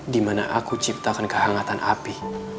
di mana aku ciptakan kehangatan api